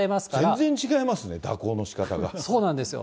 全然違いますね、そうなんですよ。